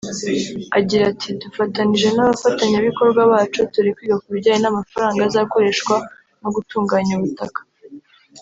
Agira ati “Dufatanije n’abafatanyabikorwa bacu turi kwiga ku bijyanye n’amafaranga azakoreshwa no gutunganya ubutaka